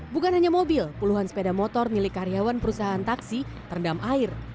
bukan hanya mobil puluhan sepeda motor milik karyawan perusahaan taksi terendam air